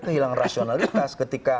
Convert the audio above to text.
kehilang rasionalitas ketika